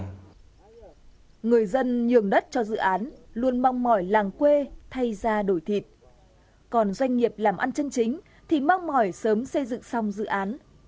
người dân nhường đất cho dự án luôn mong mỏi làng quê thay ra đổi thịt còn doanh nghiệp làm ăn chân chính thì mong mỏi sớm xây dựng xong dự án